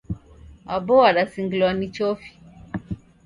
Aboo wadasingilwa ni chofi.